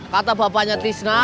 kata bapaknya tisna